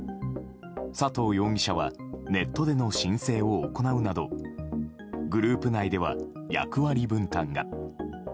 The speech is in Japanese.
佐藤容疑者はネットでの申請を行うなどグループ内では役割分担が。